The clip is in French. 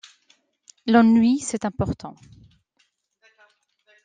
L’ennui, c’est important.